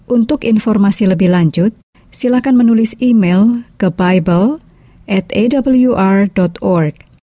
untuk informasi lebih lanjut silakan menulis email ke bible atawr org